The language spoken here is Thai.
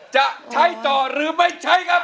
จะใช้ต่อหรือไม่ใช้ครับ